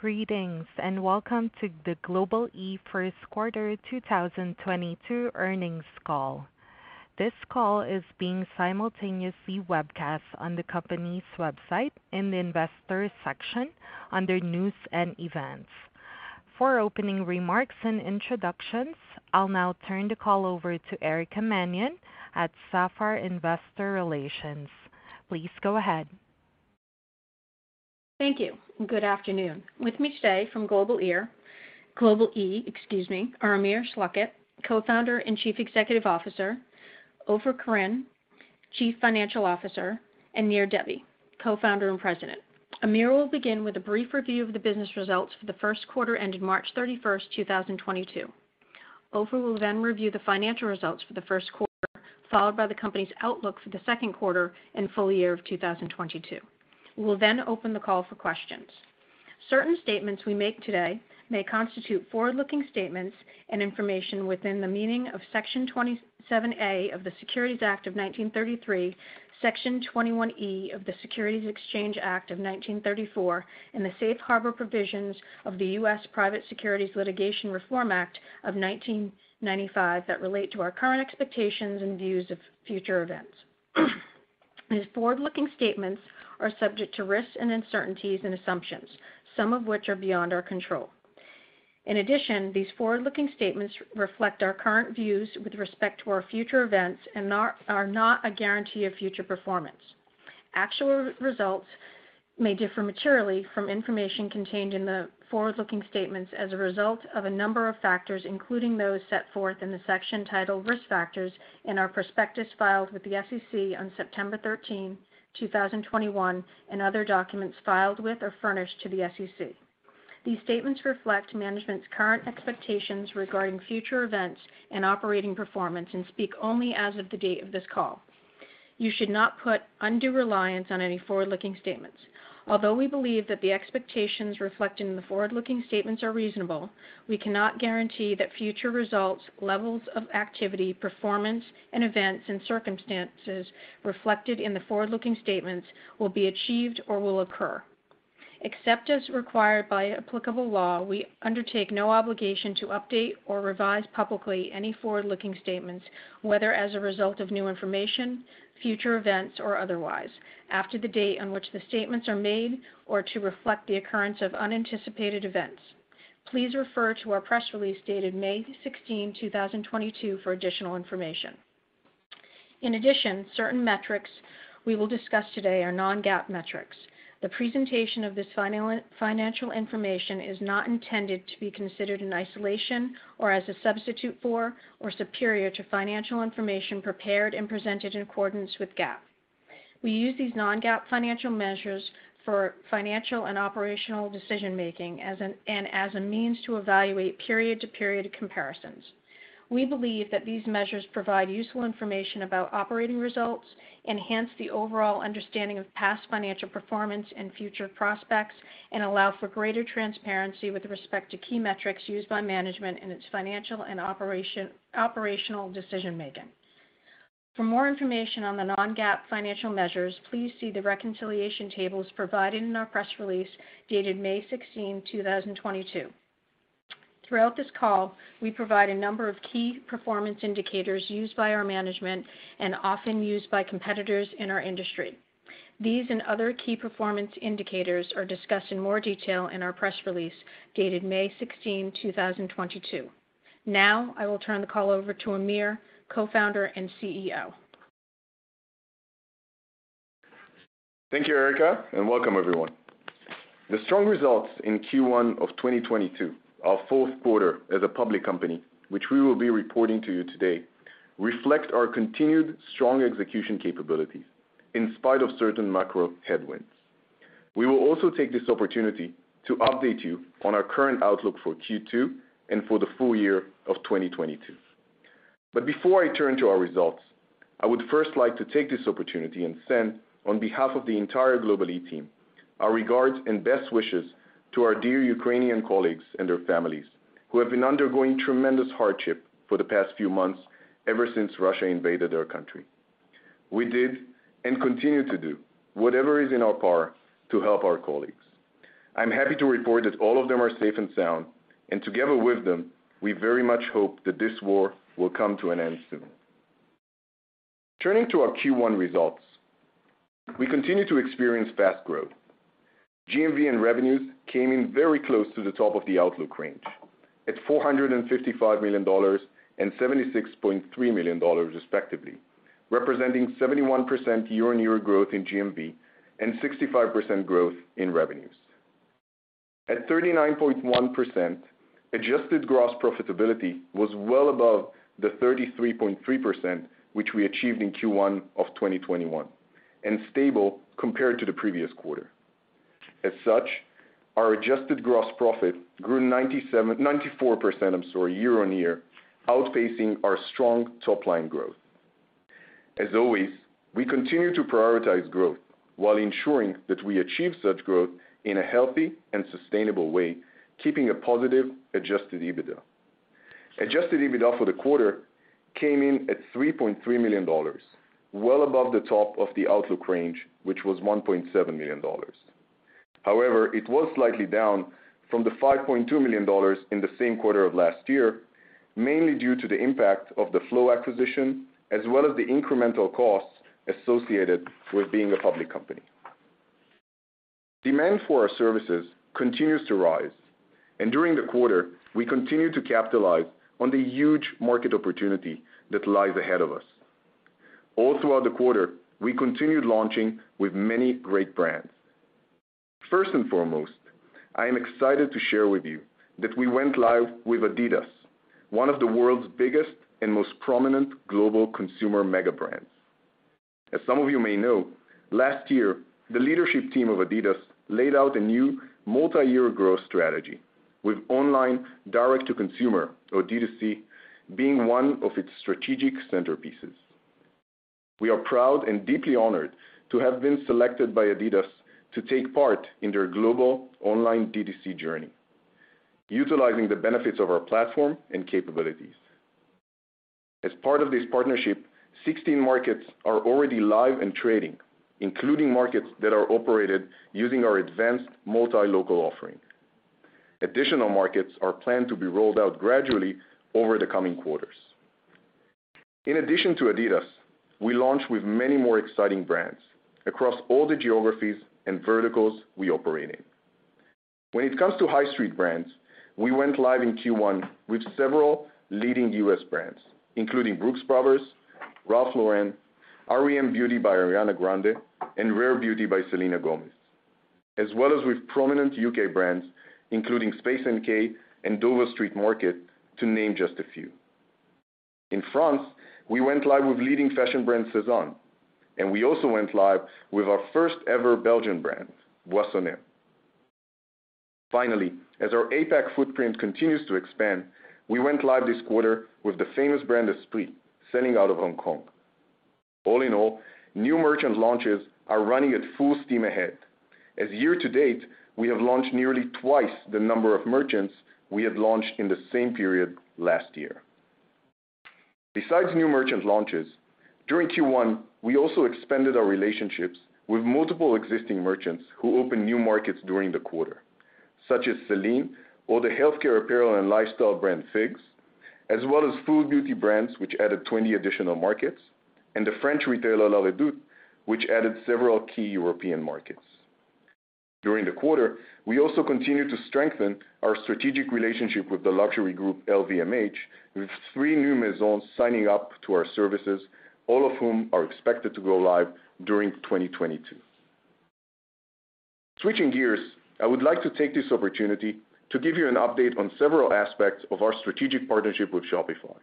Greetings, and Welcome to the Global-E first quarter 2022 Earnings Call. This call is being simultaneously webcast on the company's website in the Investors section under News and Events. For opening remarks and introductions, I'll now turn the call over to Erica Mannion at Sapphire Investor Relations. Please go ahead. Thank you. Good afternoon. With me today from Global-e, excuse me, are Amir Schlachet, Co-founder and Chief Executive Officer, Ofer Koren, Chief Financial Officer, and Nir Debbi, Co-founder and President. Amir will begin with a brief review of the business results for the first quarter ending March 31, 2022. Ofer will then review the financial results for the first quarter, followed by the company's outlook for the second quarter and full year of 2022. We will then open the call for questions. Certain statements we make today may constitute forward-looking statements and information within the meaning of Section 27A of the Securities Act of 1933, Section 21E of the Securities Exchange Act of 1934, and the safe harbor provisions of the U.S. Private Securities Litigation Reform Act of 1995 that relate to our current expectations and views of future events. These forward-looking statements are subject to risks and uncertainties and assumptions, some of which are beyond our control. In addition, these forward-looking statements reflect our current views with respect to our future events and are not a guarantee of future performance. Actual results may differ materially from information contained in the forward-looking statements as a result of a number of factors, including those set forth in the section titled Risk Factors in our prospectus filed with the SEC on September 13, 2021, and other documents filed with or furnished to the SEC. These statements reflect management's current expectations regarding future events and operating performance and speak only as of the date of this call. You should not put undue reliance on any forward-looking statements. Although we believe that the expectations reflected in the forward-looking statements are reasonable, we cannot guarantee that future results, levels of activity, performance and events and circumstances reflected in the forward-looking statements will be achieved or will occur. Except as required by applicable law, we undertake no obligation to update or revise publicly any forward-looking statements, whether as a result of new information, future events or otherwise, after the date on which the statements are made or to reflect the occurrence of unanticipated events. Please refer to our press release dated May 16, 2022 for additional information. In addition, certain metrics we will discuss today are non-GAAP metrics. The presentation of this financial information is not intended to be considered in isolation or as a substitute for, or superior to financial information prepared and presented in accordance with GAAP. We use these non-GAAP financial measures for financial and operational decision-making and as a means to evaluate period-to-period comparisons. We believe that these measures provide useful information about operating results, enhance the overall understanding of past financial performance and future prospects, and allow for greater transparency with respect to key metrics used by management in its financial and operational decision-making. For more information on the non-GAAP financial measures, please see the reconciliation tables provided in our press release dated May 16, 2022. Throughout this call, we provide a number of key performance indicators used by our management and often used by competitors in our industry. These and other key performance indicators are discussed in more detail in our press release dated May 16, 2022. I will turn the call over to Amir, Co-founder and CEO. Thank you, Erica, and welcome everyone. The strong results in Q1 of 2022, our fourth quarter as a public company, which we will be reporting to you today, reflect our continued strong execution capabilities in spite of certain macro headwinds. We will also take this opportunity to update you on our current outlook for Q2 and for the full year of 2022. Before I turn to our results, I would first like to take this opportunity and send on behalf of the entire Global-e team, our regards and best wishes to our dear Ukrainian colleagues and their families who have been undergoing tremendous hardship for the past few months ever since Russia invaded their country. We did, and continue to do, whatever is in our power to help our colleagues. I'm happy to report that all of them are safe and sound, and together with them, we very much hope that this war will come to an end soon. Turning to our Q1 results, we continue to experience fast growth. GMV and revenues came in very close to the top of the outlook range at $455 million and $76.3 million respectively, representing 71% year-on-year growth in GMV and 65% growth in revenues. At 39.1%, adjusted gross profitability was well above the 33.3%, which we achieved in Q1 of 2021, and stable compared to the previous quarter. As such, our adjusted gross profit grew 94%, I'm sorry, year-on-year, outpacing our strong top-line growth. As always, we continue to prioritize growth while ensuring that we achieve such growth in a healthy and sustainable way, keeping a positive Adjusted EBITDA. Adjusted EBITDA for the quarter came in at $3.3 million, well above the top of the outlook range, which was $1.7 million. However, it was slightly down from the $5.2 million in the same quarter of last year, mainly due to the impact of the Flow acquisition, as well as the incremental costs associated with being a public company. Demand for our services continues to rise, and during the quarter, we continued to capitalize on the huge market opportunity that lies ahead of us. All throughout the quarter, we continued launching with many great brands. First and foremost, I am excited to share with you that we went live with Adidas, one of the world's biggest and most prominent global consumer mega brands. As some of you may know, last year, the leadership team of Adidas laid out a new multi-year growth strategy with online direct-to-consumer or D2C being one of its strategic centerpieces. We are proud and deeply honored to have been selected by Adidas to take part in their global online D2C journey, utilizing the benefits of our platform and capabilities. As part of this partnership, 16 markets are already live and trading, including markets that are operated using our advanced multi-local offering. Additional markets are planned to be rolled out gradually over the coming quarters. In addition to Adidas, we launched with many more exciting brands across all the geographies and verticals we operate in. When it comes to high street brands, we went live in Q1 with several leading US brands, including Brooks Brothers, Ralph Lauren, r.e.m. beauty by Ariana Grande, and Rare Beauty by Selena Gomez, as well as with prominent UK brands including Space NK and Dover Street Market, to name just a few. In France, we went live with leading fashion brand Sézane, and we also went live with our first ever Belgian brand, Boissonade. Finally, as our APAC footprint continues to expand, we went live this quarter with the famous brand Esprit, selling out of Hong Kong. All in all, new merchant launches are running at full steam ahead. As year to date, we have launched nearly twice the number of merchants we have launched in the same period last year. Besides new merchant launches, during Q1, we also expanded our relationships with multiple existing merchants who opened new markets during the quarter, such as Céline or the healthcare apparel and lifestyle brand FIGS, as well as Fenty Beauty brands, which added 20 additional markets, and the French retailer La Redoute, which added several key European markets. During the quarter, we also continued to strengthen our strategic relationship with the luxury group LVMH, with three new Maisons signing up to our services, all of whom are expected to go live during 2022. Switching gears, I would like to take this opportunity to give you an update on several aspects of our strategic partnership with Shopify.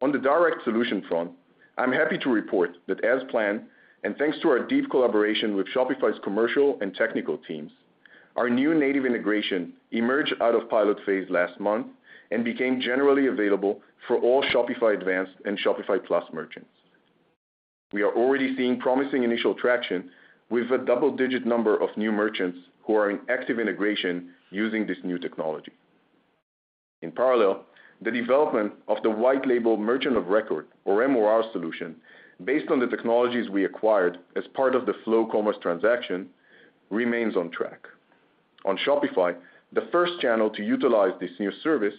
On the direct solution front, I'm happy to report that as planned and thanks to our deep collaboration with Shopify's commercial and technical teams, our new native integration emerged out of pilot phase last month and became generally available for all Shopify Advanced and Shopify Plus merchants. We are already seeing promising initial traction with a double-digit number of new merchants who are in active integration using this new technology. In parallel, the development of the white label merchant of record or MOR solution based on the technologies we acquired as part of the Flow Commerce transaction remains on track. On Shopify, the first channel to utilize this new service,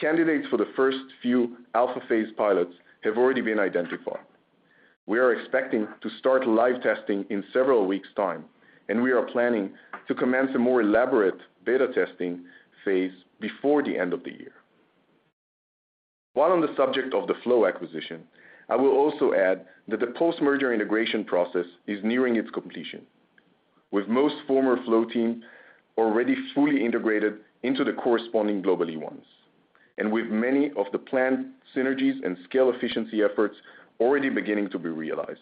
candidates for the first few alpha phase pilots have already been identified. We are expecting to start live testing in several weeks' time, and we are planning to commence a more elaborate beta testing phase before the end of the year. While on the subject of the Flow acquisition, I will also add that the post-merger integration process is nearing its completion, with most former Flow team already fully integrated into the corresponding Global-e ones, and with many of the planned synergies and scale efficiency efforts already beginning to be realized.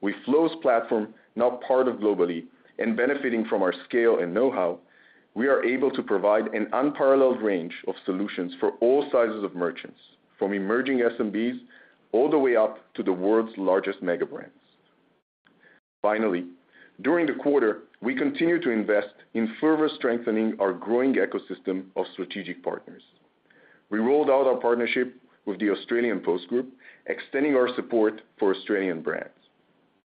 With Flow's platform now part of Global-e and benefiting from our scale and know-how, we are able to provide an unparalleled range of solutions for all sizes of merchants, from emerging SMBs all the way up to the world's largest mega brands. Finally, during the quarter, we continued to invest in further strengthening our growing ecosystem of strategic partners. We rolled out our partnership with Australia Post, extending our support for Australian brands.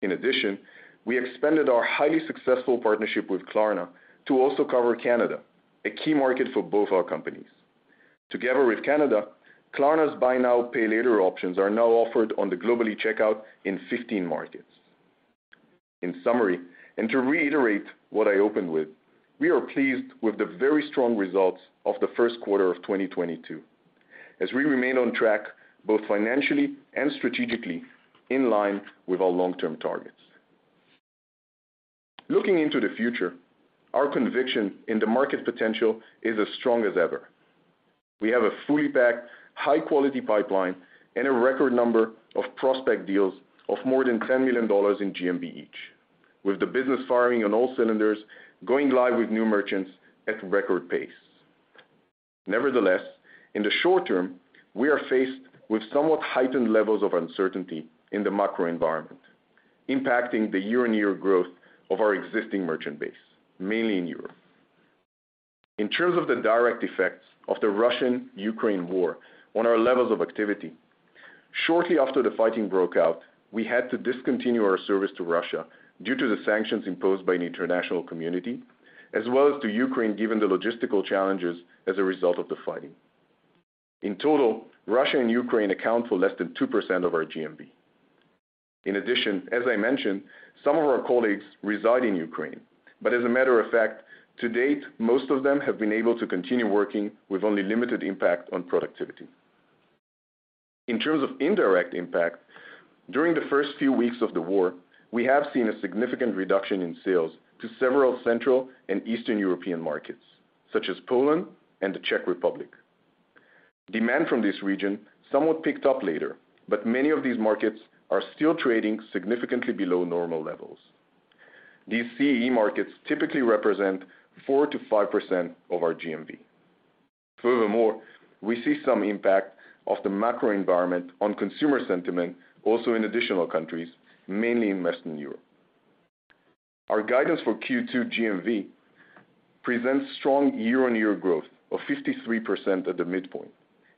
In addition, we expanded our highly successful partnership with Klarna to also cover Canada, a key market for both our companies. Together with Canada, Klarna's buy now, pay later options are now offered on the Global-e checkout in 15 markets. In summary, and to reiterate what I opened with, we are pleased with the very strong results of the first quarter of 2022 as we remain on track both financially and strategically in line with our long-term targets. Looking into the future, our conviction in the market potential is as strong as ever. We have a fully packed, high-quality pipeline and a record number of prospect deals of more than $10 million in GMV each. With the business firing on all cylinders, going live with new merchants at record pace. Nevertheless, in the short term, we are faced with somewhat heightened levels of uncertainty in the macro environment. Impacting the year-on-year growth of our existing merchant base, mainly in Europe. In terms of the direct effects of the Russian-Ukraine war on our levels of activity, shortly after the fighting broke out, we had to discontinue our service to Russia due to the sanctions imposed by the international community, as well as to Ukraine, given the logistical challenges as a result of the fighting. In total, Russia and Ukraine account for less than 2% of our GMV. In addition, as I mentioned, some of our colleagues reside in Ukraine, but as a matter of fact, to date, most of them have been able to continue working with only limited impact on productivity. In terms of indirect impact, during the first few weeks of the war, we have seen a significant reduction in sales to several Central and Eastern European markets, such as Poland and the Czech Republic. Demand from this region somewhat picked up later, but many of these markets are still trading significantly below normal levels. These CEE markets typically represent 4%-5% of our GMV. Furthermore, we see some impact of the macro environment on consumer sentiment also in additional countries, mainly in Western Europe. Our guidance for Q2 GMV presents strong year-on-year growth of 53% at the midpoint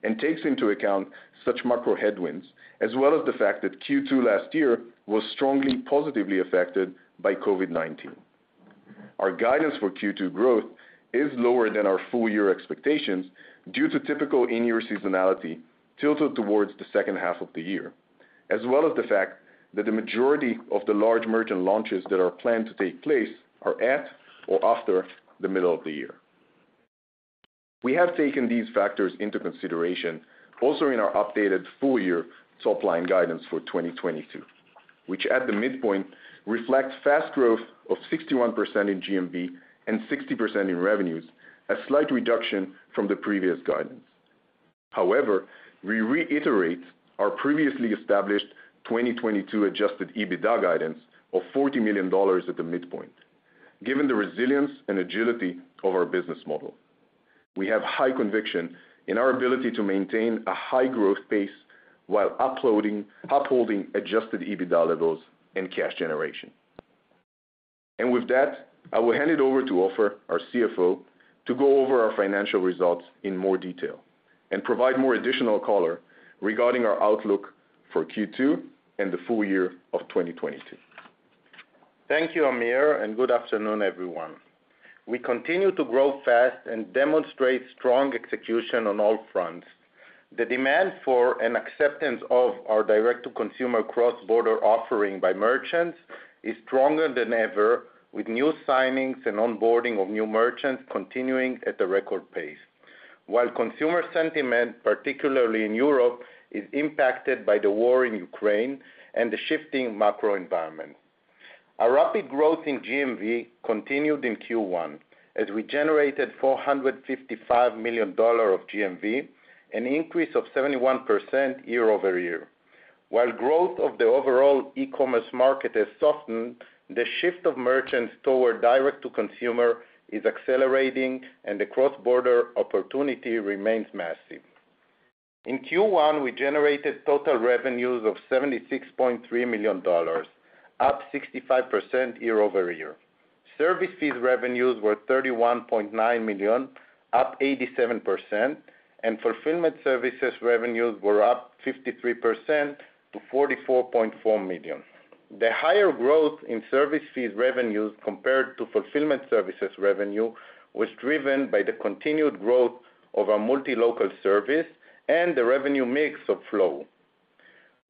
and takes into account such macro headwinds, as well as the fact that Q2 last year was strongly positively affected by COVID-19. Our guidance for Q2 growth is lower than our full year expectations due to typical in-year seasonality tilted towards the second half of the year, as well as the fact that the majority of the large merchant launches that are planned to take place are at or after the middle of the year. We have taken these factors into consideration also in our updated full year top line guidance for 2022, which at the midpoint reflects fast growth of 61% in GMV and 60% in revenues, a slight reduction from the previous guidance. However, we reiterate our previously established 2022 adjusted EBITDA guidance of $40 million at the midpoint, given the resilience and agility of our business model. We have high conviction in our ability to maintain a high growth pace while upholding adjusted EBITDA levels and cash generation. With that, I will hand it over to Ofer, our CFO, to go over our financial results in more detail and provide more additional color regarding our outlook for Q2 and the full year of 2022. Thank you, Amir, and good afternoon, everyone. We continue to grow fast and demonstrate strong execution on all fronts. The demand for and acceptance of our direct-to-consumer cross-border offering by merchants is stronger than ever, with new signings and onboarding of new merchants continuing at a record pace. While consumer sentiment, particularly in Europe, is impacted by the war in Ukraine and the shifting macro environment. Our rapid growth in GMV continued in Q1, as we generated $455 million of GMV, an increase of 71% year-over-year. While growth of the overall e-commerce market has softened, the shift of merchants toward direct to consumer is accelerating, and the cross-border opportunity remains massive. In Q1, we generated total revenues of $76.3 million, up 65% year-over-year. Service fees revenues were $31.9 million, up 87%, and fulfillment services revenues were up 53% to $44.4 million. The higher growth in service fees revenues compared to fulfillment services revenue was driven by the continued growth of our multi-local service and the revenue mix of Flow.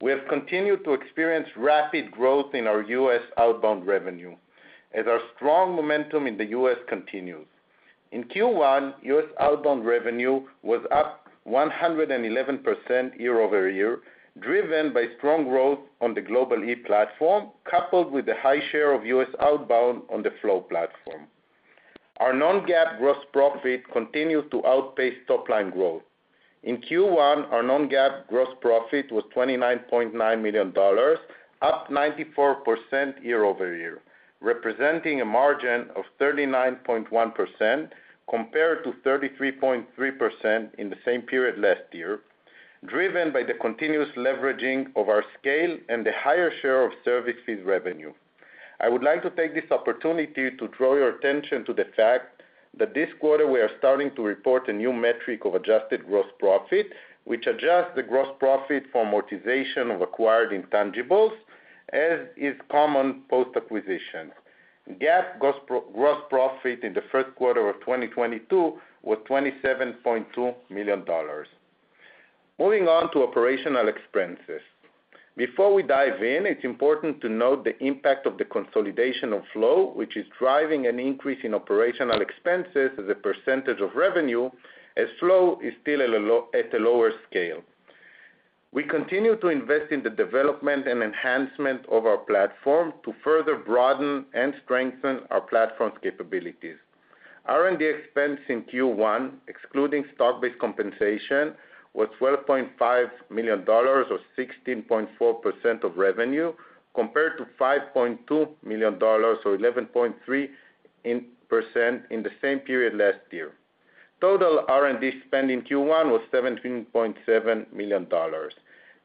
We have continued to experience rapid growth in our U.S. outbound revenue as our strong momentum in the U.S. continues. In Q1, U.S. outbound revenue was up 111% year-over-year, driven by strong growth on the Global-e platform, coupled with the high share of U.S. outbound on the Flow platform. Our non-GAAP gross profit continued to outpace top line growth. In Q1, our non-GAAP gross profit was $29.9 million, up 94% year-over-year, representing a margin of 39.1% compared to 33.3% in the same period last year, driven by the continuous leveraging of our scale and the higher share of service fees revenue. I would like to take this opportunity to draw your attention to the fact that this quarter we are starting to report a new metric of adjusted gross profit, which adjusts the gross profit for amortization of acquired intangibles, as is common post-acquisition. GAAP gross profit in the first quarter of 2022 was $27.2 million. Moving on to operational expenses. Before we dive in, it's important to note the impact of the consolidation of Flow, which is driving an increase in operational expenses as a percentage of revenue, as Flow is still at a lower scale. We continue to invest in the development and enhancement of our platform to further broaden and strengthen our platform's capabilities. R&D expense in Q1, excluding stock-based compensation, was $12.5 million or 16.4% of revenue, compared to $5.2 million or 11.3% in the same period last year. Total R&D spend in Q1 was $17.7 million.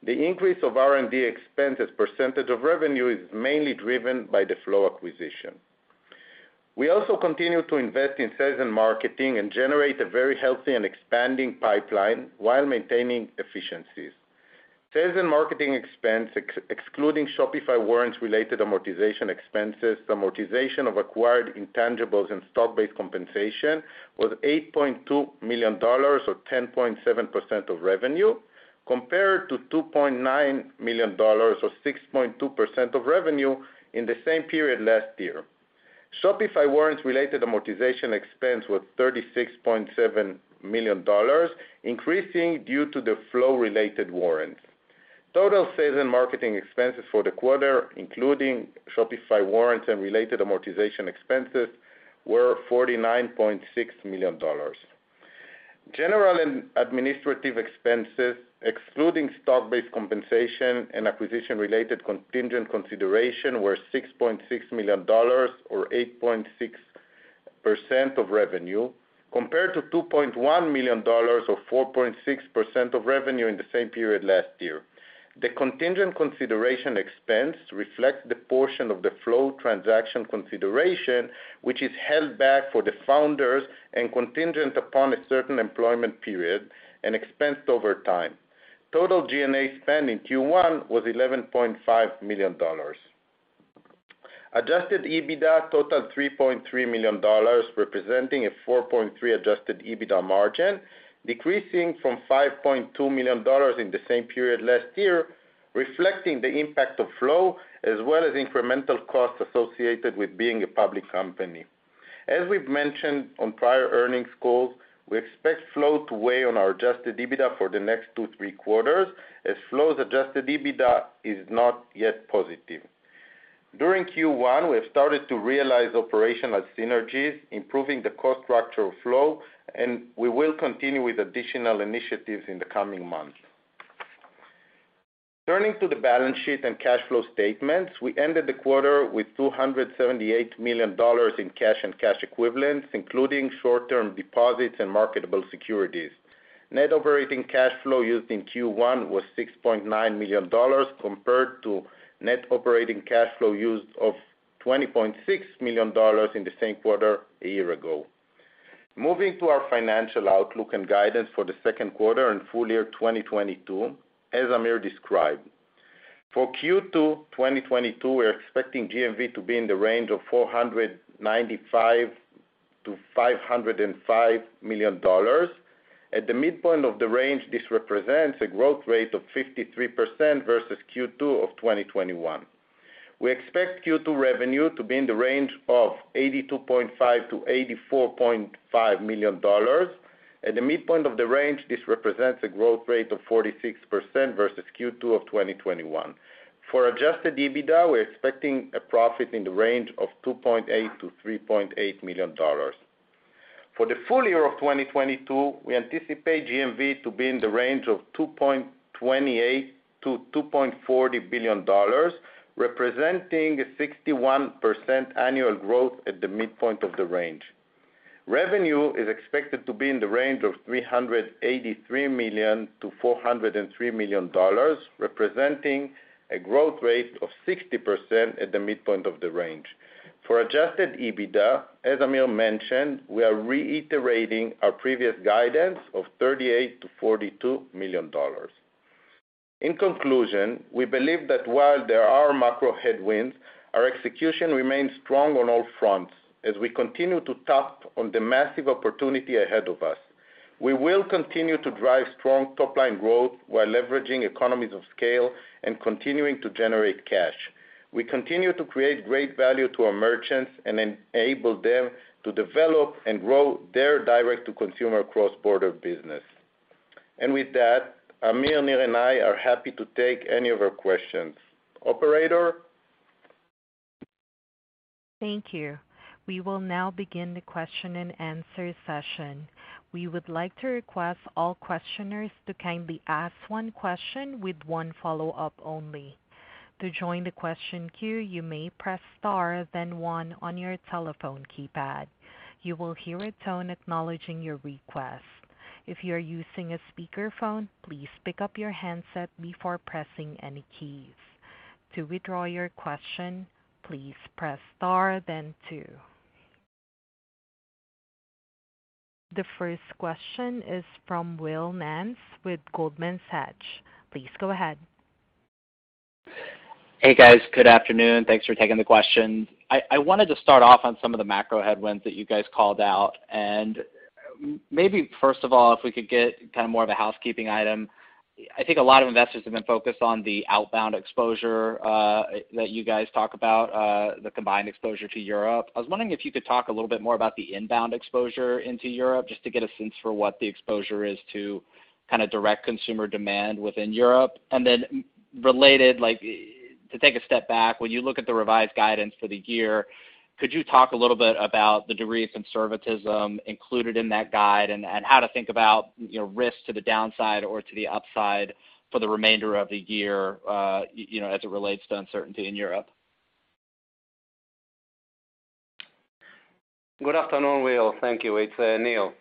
The increase of R&D expense as percentage of revenue is mainly driven by the Flow acquisition. We also continue to invest in sales and marketing and generate a very healthy and expanding pipeline while maintaining efficiencies. Sales and marketing expense excluding Shopify warrants-related amortization expenses, the amortization of acquired intangibles and stock-based compensation was $8.2 million or 10.7% of revenue, compared to $2.9 million or 6.2% of revenue in the same period last year. Shopify warrants-related amortization expense was $36.7 million, increasing due to the Flow-related warrants. Total sales and marketing expenses for the quarter, including Shopify warrants and related amortization expenses, were $49.6 million. General and administrative expenses, excluding stock-based compensation and acquisition-related contingent consideration, were $6.6 million or 8.6% of revenue, compared to $2.1 million or 4.6% of revenue in the same period last year. The contingent consideration expense reflects the portion of the Flow transaction consideration, which is held back for the founders and contingent upon a certain employment period and expensed over time. Total G&A spend in Q1 was $11.5 million. Adjusted EBITDA totaled $3.3 million, representing a 4.3% adjusted EBITDA margin, decreasing from $5.2 million in the same period last year, reflecting the impact of Flow as well as incremental costs associated with being a public company. We've mentioned on prior earnings calls, we expect Flow to weigh on our adjusted EBITDA for the next 2-3 quarters as Flow's adjusted EBITDA is not yet positive. During Q1, we have started to realize operational synergies, improving the cost structure of Flow, and we will continue with additional initiatives in the coming months. Turning to the balance sheet and cash flow statements, we ended the quarter with $278 million in cash and cash equivalents, including short-term deposits and marketable securities. Net operating cash flow used in Q1 was $6.9 million compared to net operating cash flow used of $20.6 million in the same quarter a year ago. Moving to our financial outlook and guidance for the second quarter and full year 2022, as Amir described. For Q2 2022, we're expecting GMV to be in the range of $495-$505 million. At the midpoint of the range, this represents a growth rate of 53% versus Q2 of 2021. We expect Q2 revenue to be in the range of $82.5-$84.5 million. At the midpoint of the range, this represents a growth rate of 46% versus Q2 of 2021. For adjusted EBITDA, we're expecting a profit in the range of $2.8-$3.8 million. For the full year of 2022, we anticipate GMV to be in the range of $2.28-$2.40 billion, representing a 61% annual growth at the midpoint of the range. Revenue is expected to be in the range of $383-$403 million, representing a growth rate of 60% at the midpoint of the range. For Adjusted EBITDA, as Amir mentioned, we are reiterating our previous guidance of $38-$42 million. In conclusion, we believe that while there are macro headwinds, our execution remains strong on all fronts as we continue to tap on the massive opportunity ahead of us. We will continue to drive strong top line growth while leveraging economies of scale and continuing to generate cash. We continue to create great value to our merchants and enable them to develop and grow their direct-to-consumer cross-border business. With that, Amir, Nir, and I are happy to take any of your questions. Operator? Thank you. We will now begin the question-and-answer session. We would like to request all questioners to kindly ask one question with one follow-up only. To join the question queue, you may press star then one on your telephone keypad. You will hear a tone acknowledging your request. If you are using a speakerphone, please pick up your handset before pressing any keys. To withdraw your question, please press star then two. The first question is from Will Nance with Goldman Sachs. Please go ahead. Hey, guys. Good afternoon. Thanks for taking the questions. I wanted to start off on some of the macro headwinds that you guys called out. Maybe first of all, if we could get kind of more of a housekeeping item. I think a lot of investors have been focused on the outbound exposure that you guys talk about, the combined exposure to Europe. I was wondering if you could talk a little bit more about the inbound exposure into Europe, just to get a sense for what the exposure is to kind of direct consumer demand within Europe. related, like to take a step back, when you look at the revised guidance for the year, could you talk a little bit about the degree of conservatism included in that guide and how to think about, you know, risks to the downside or to the upside for the remainder of the year, you know, as it relates to uncertainty in Europe? Good afternoon, Will. Thank you. It's Nir.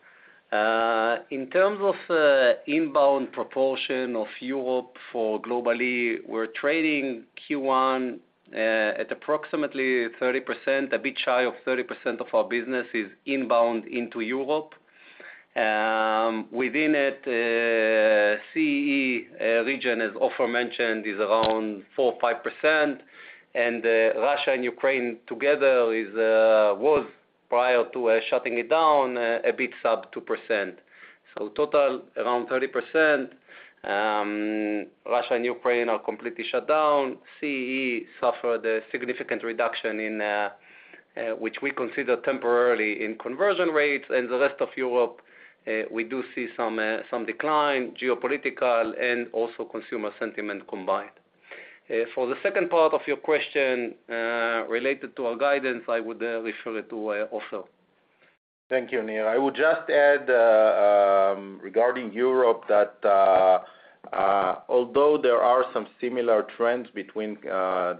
In terms of inbound proportion of Europe for Global-E, we're trading Q1 at approximately 30%. A bit shy of 30% of our business is inbound into Europe. Within it, CEE region, as Ofer mentioned, is around 4-5%. Russia and Ukraine together was, prior to shutting it down, a bit sub 2%. Total, around 30%. Russia and Ukraine are completely shut down. CEE suffered a significant reduction in which we consider temporarily in conversion rates. In the rest of Europe, we do see some decline, geopolitical and also consumer sentiment combined. For the second part of your question related to our guidance, I would refer it to Ofer. Thank you, Nir. I would just add, regarding Europe that, although there are some similar trends between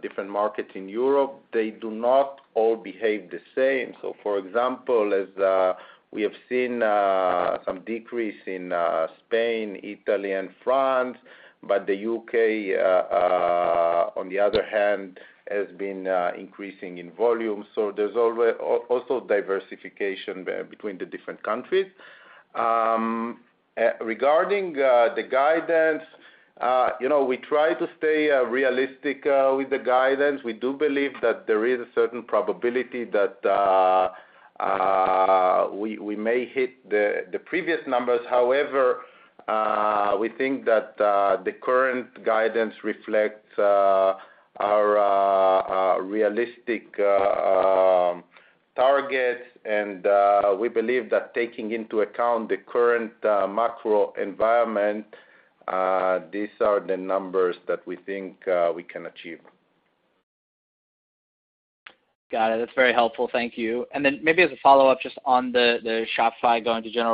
different markets in Europe, they do not all behave the same. For example, as we have seen, some decrease in Spain, Italy and France, but the UK, on the other hand, has been increasing in volume. There's also diversification there between the different countries. Regarding the guidance, you know, we try to stay realistic with the guidance. We do believe that there is a certain probability that we may hit the previous numbers. However, we think that the current guidance reflects our realistic targets. We believe that taking into account the current macro environment, these are the numbers that we think we can achieve. Got it. That's very helpful. Thank you. Then maybe as a follow-up, just on the Shopify going to general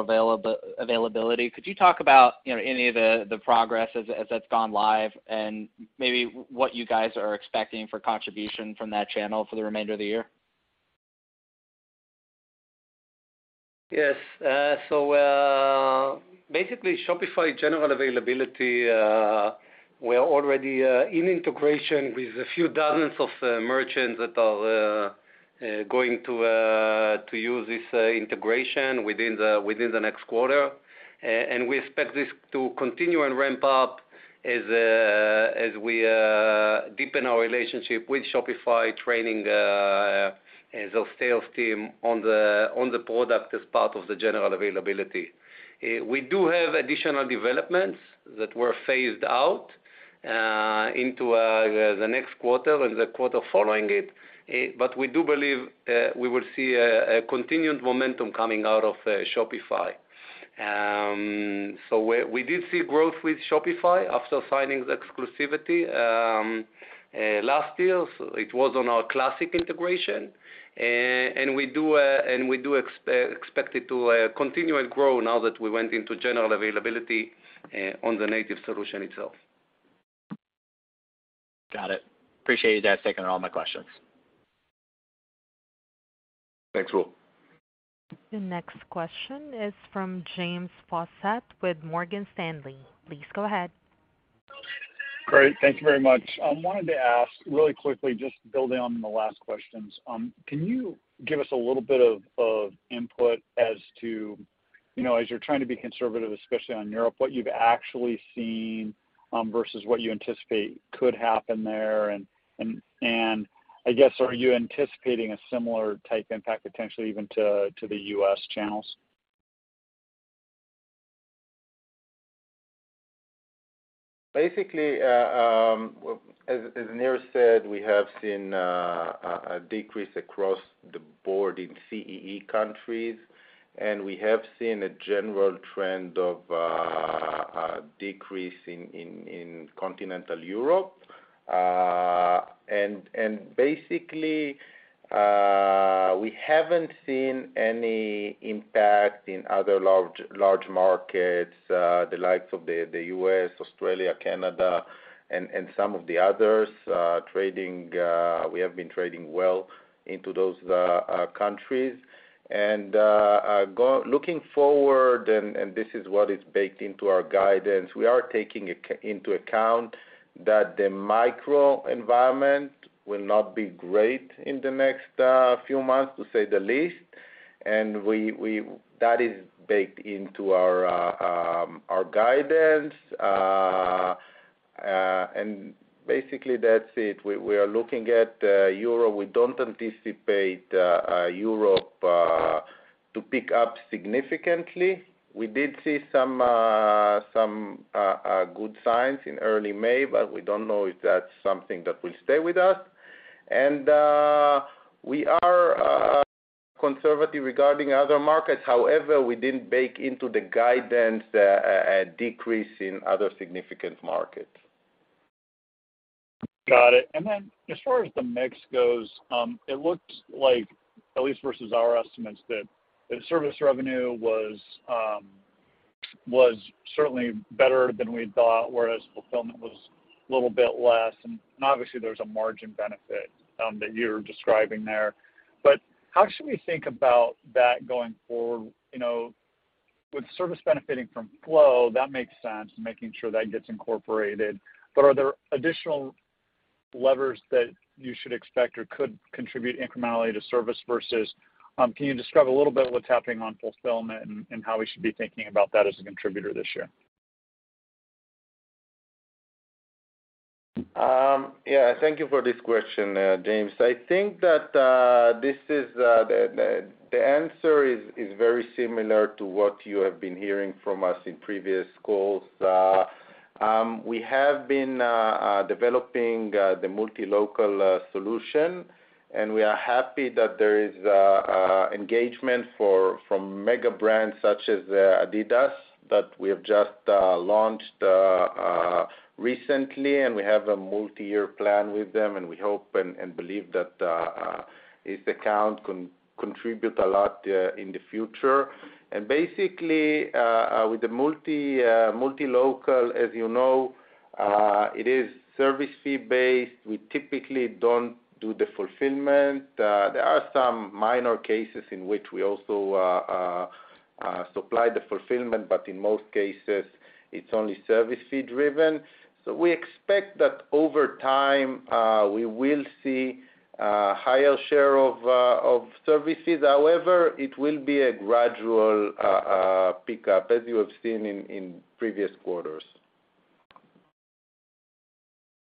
availability, could you talk about, you know, any of the progress as that's gone live and maybe what you guys are expecting for contribution from that channel for the remainder of the year? Yes. Basically Shopify general availability, we're already in integration with a few dozens of merchants that are going to use this integration within the next quarter. We expect this to continue and ramp up as we deepen our relationship with Shopify, training our sales team on the product as part of the general availability. We do have additional developments that are phased in to the next quarter and the quarter following it. We do believe we will see a continued momentum coming out of Shopify. We did see growth with Shopify after signing the exclusivity last year. It was on our classic integration. We expect it to continue and grow now that we went into general availability on the native solution itself. Got it. Appreciate you guys taking all my questions. Thanks, Will. The next question is from James Faucette with Morgan Stanley. Please go ahead. Great. Thank you very much. I wanted to ask really quickly, just building on the last questions, can you give us a little bit of input as to, you know, as you're trying to be conservative, especially on Europe, what you've actually seen versus what you anticipate could happen there? And I guess, are you anticipating a similar type impact potentially even to the U.S. channels? Basically, as Nir said, we have seen a decrease across the board in CEE countries, and we have seen a general trend of a decrease in continental Europe. Basically, we haven't seen any impact in other large markets, the likes of the U.S., Australia, Canada, and some of the others. We have been trading well into those countries. Looking forward, and this is what is baked into our guidance, we are taking into account that the macro environment will not be great in the next few months, to say the least. That is baked into our guidance. Basically, that's it. We are looking at Europe. We don't anticipate Europe to pick up significantly. We did see some good signs in early May, but we don't know if that's something that will stay with us. We are conservative regarding other markets. However, we didn't bake into the guidance a decrease in other significant markets. Got it. Then as far as the mix goes, it looks like, at least versus our estimates, that the service revenue was certainly better than we thought, whereas fulfillment was a little bit less. Obviously there's a margin benefit that you're describing there. How should we think about that going forward? You know, with service benefiting from Flow, that makes sense, making sure that gets incorporated. Are there additional levers that you should expect or could contribute incrementally to service versus, can you describe a little bit what's happening on fulfillment and how we should be thinking about that as a contributor this year? Yeah, thank you for this question, James. I think that the answer is very similar to what you have been hearing from us in previous calls. We have been developing the multi-local solution, and we are happy that there is engagement from mega brands such as Adidas that we have just launched recently. We have a multi-year plan with them, and we hope and believe that this account can contribute a lot in the future. Basically, with the multi-local, as you know, it is service fee-based. We typically don't do the fulfillment. There are some minor cases in which we also supply the fulfillment, but in most cases it's only service fee driven. We expect that over time, we will see higher share of services. However, it will be a gradual pickup as you have seen in previous quarters.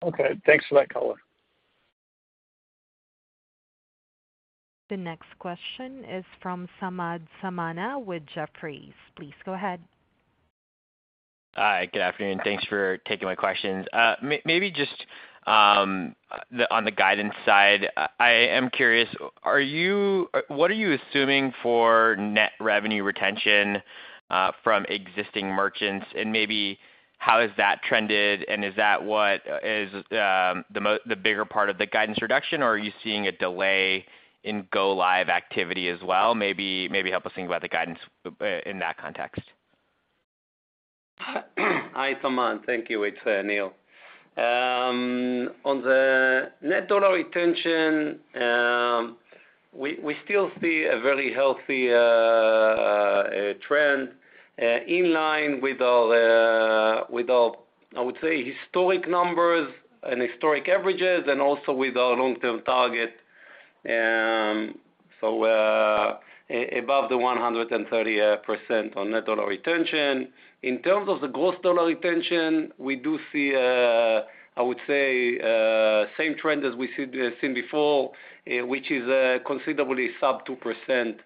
Okay. Thanks for that color. The next question is from Samad Samana with Jefferies. Please go ahead. Hi. Good afternoon. Thanks for taking my questions. Maybe just on the guidance side, I am curious, what are you assuming for net dollar retention from existing merchants? Maybe how has that trended, and is that what is the bigger part of the guidance reduction, or are you seeing a delay in go live activity as well? Maybe help us think about the guidance in that context. Hi, Samad. Thank you. It's Nir. On the net dollar retention, we still see a very healthy trend in line with our I would say historic numbers and historic averages and also with our long-term target, above the 130% on net dollar retention. In terms of the gross dollar retention, we do see I would say same trend as we've seen before, which is considerably sub 2%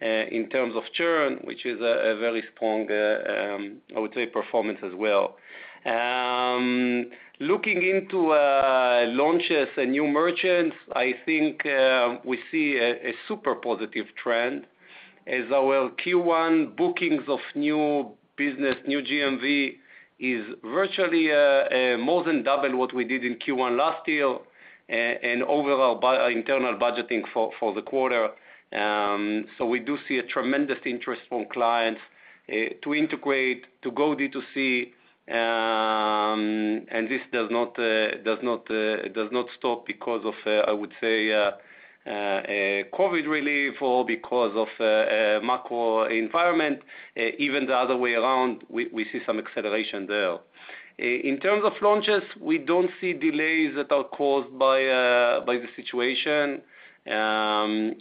in terms of churn, which is a very strong performance as well. Looking into launches and new merchants, I think, we see a super positive trend as our Q1 bookings of new business, new GMV is virtually more than double what we did in Q1 last year, and over our internal budgeting for the quarter. We do see a tremendous interest from clients to integrate, to go D2C, and this does not stop because of, I would say, COVID relief or because of macro environment. Even the other way around, we see some acceleration there. In terms of launches, we don't see delays that are caused by the situation.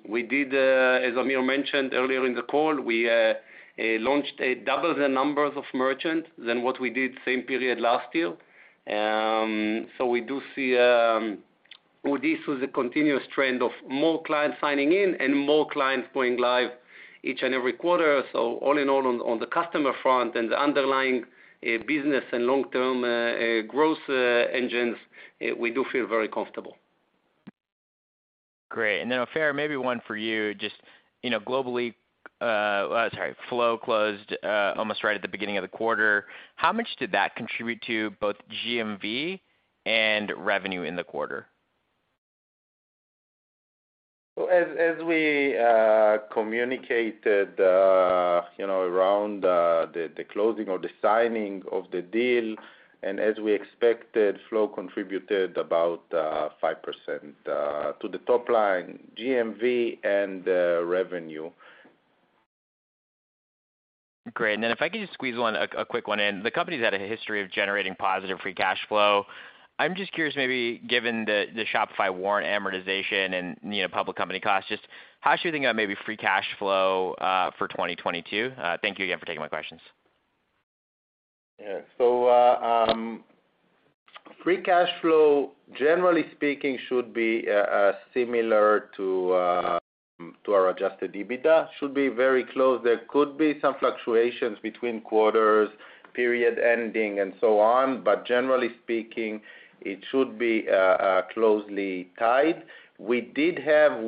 We did, as Amir mentioned earlier in the call, we launched double the numbers of merchants than what we did same period last year. We do see this was a continuous trend of more clients signing in and more clients going live each and every quarter. All in all on the customer front and the underlying business and long-term growth engines we do feel very comfortable. Great. Ofer, maybe one for you, just, you know, globally, sorry, Flow closed, almost right at the beginning of the quarter. How much did that contribute to both GMV and revenue in the quarter? As we communicated, you know, around the closing or the signing of the deal, and as we expected, Flow contributed about 5% to the top line GMV and revenue. Great. If I could just squeeze one in, a quick one. The company's had a history of generating positive free cash flow. I'm just curious, maybe given the Shopify warrant amortization and, you know, public company costs, just how should we think about maybe free cash flow for 2022? Thank you again for taking my questions. Free cash flow, generally speaking, should be similar to our Adjusted EBITDA. Should be very close. There could be some fluctuations between quarters, period ending and so on, but generally speaking, it should be closely tied. We did have a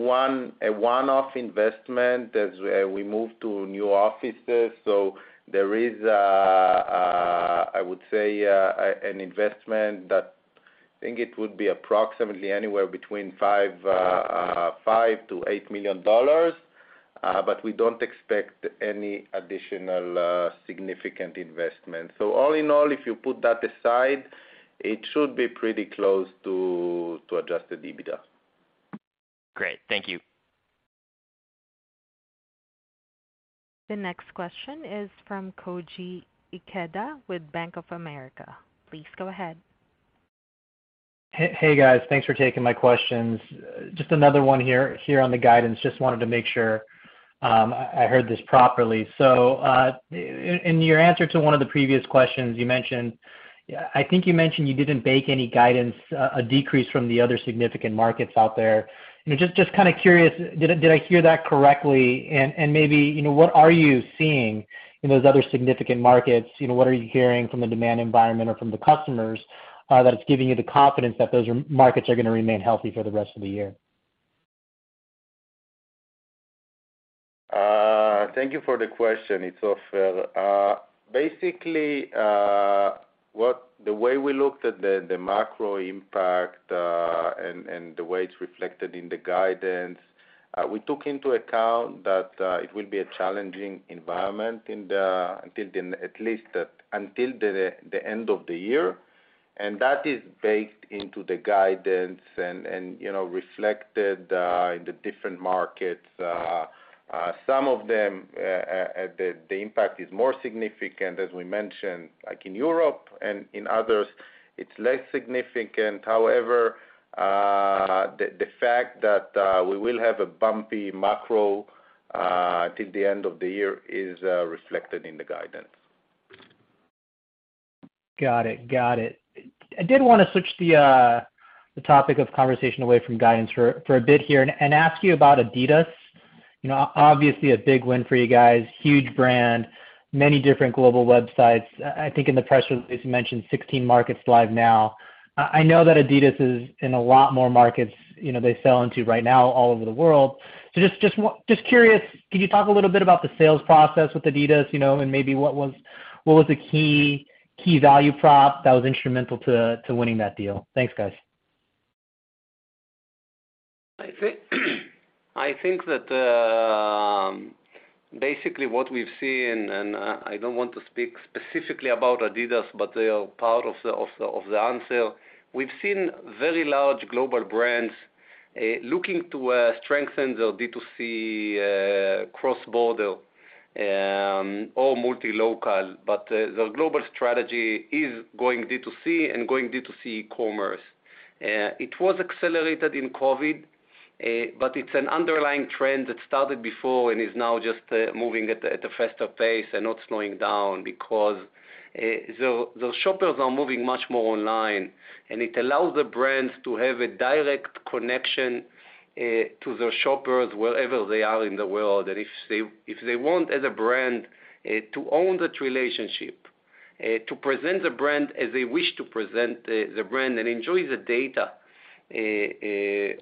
one-off investment as we moved to new offices, so there is An investment that I think it would be approximately anywhere between $5 million-$8 million. We don't expect any additional significant investment. All in all, if you put that aside, it should be pretty close to Adjusted EBITDA. Great. Thank you. The next question is from Koji Ikeda with Bank of America. Please go ahead. Hey, guys. Thanks for taking my questions. Just another one here on the guidance. Just wanted to make sure I heard this properly. In your answer to one of the previous questions you mentioned. I think you mentioned you didn't bake any guidance, a decrease from the other significant markets out there. You know, just kind of curious, did I hear that correctly? Maybe, you know, what are you seeing in those other significant markets? You know, what are you hearing from the demand environment or from the customers that it's giving you the confidence that those markets are going to remain healthy for the rest of the year? Thank you for the question. It's Ofer. Basically, the way we looked at the macro impact and the way it's reflected in the guidance, we took into account that it will be a challenging environment until at least the end of the year. That is baked into the guidance and, you know, reflected in the different markets. Some of them, the impact is more significant, as we mentioned, like in Europe and in others, it's less significant. However, the fact that we will have a bumpy macro till the end of the year is reflected in the guidance. Got it. I did want to switch the topic of conversation away from guidance for a bit here and ask you about Adidas. You know, obviously a big win for you guys. Huge brand, many different global websites. I think in the press release you mentioned 16 markets live now. I know that Adidas is in a lot more markets, you know, they sell into right now all over the world. So just curious, can you talk a little bit about the sales process with Adidas, you know, and maybe what was the key value prop that was instrumental to winning that deal? Thanks, guys. I think that basically what we've seen, and I don't want to speak specifically about Adidas, but they are part of the answer. We've seen very large global brands looking to strengthen their D2C cross-border or multi-local. The global strategy is going D2C and going D2C commerce. It was accelerated in COVID, but it's an underlying trend that started before and is now just moving at a faster pace and not slowing down because the shoppers are moving much more online, and it allows the brands to have a direct connection to their shoppers wherever they are in the world. If they want, as a brand, to own that relationship, to present the brand as they wish to present the brand and enjoy the data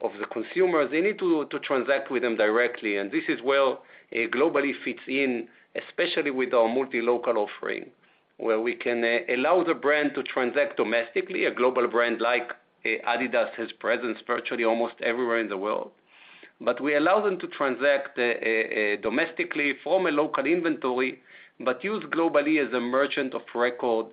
of the consumer, they need to transact with them directly. This is where Global-e fits in, especially with our multi-local offering, where we can allow the brand to transact domestically. A global brand like Adidas has presence virtually almost everywhere in the world. We allow them to transact domestically from a local inventory, but use Global-e as a merchant of record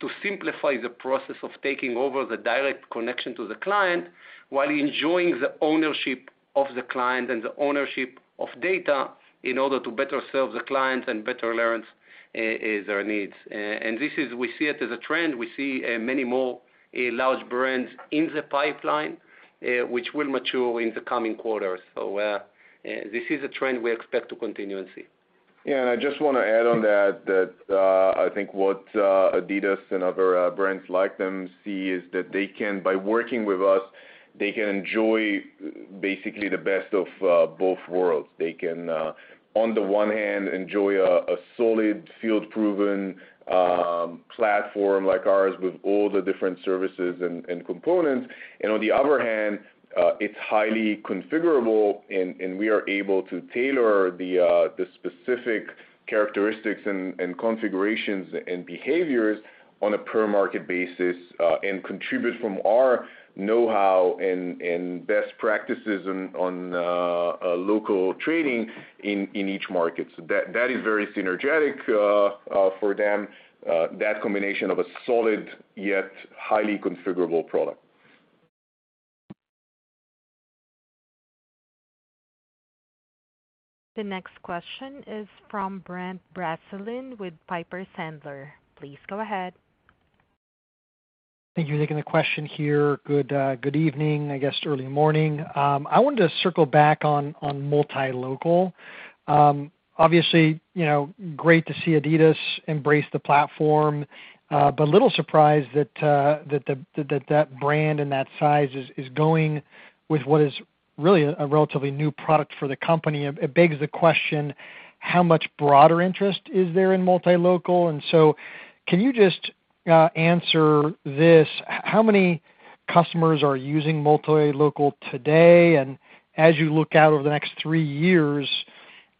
to simplify the process of taking over the direct connection to the client while enjoying the ownership of the client and the ownership of data in order to better serve the client and better learn their needs. This is. We see it as a trend. We see many more large brands in the pipeline, which will mature in the coming quarters. This is a trend we expect to continue and see. Yeah, I just want to add on that, I think what Adidas and other brands like them see is that they can, by working with us, they can enjoy basically the best of both worlds. They can, on the one hand, enjoy a solid field proven platform like ours with all the different services and components. On the other hand, it's highly configurable and we are able to tailor the specific characteristics and configurations and behaviors on a per market basis and contribute from our know-how and best practices on local trading in each market. That is very synergistic for them, that combination of a solid yet highly configurable product. The next question is from Brent Bracelin with Piper Sandler. Please go ahead. Thank you for taking the question here. Good evening, I guess early morning. I wanted to circle back on multi-local. Obviously, you know, great to see Adidas embrace the platform. But little surprised that that brand and that size is going with what is really a relatively new product for the company. It begs the question, how much broader interest is there in multi-local? Can you just answer this? How many customers are using multi-local today? As you look out over the next three years,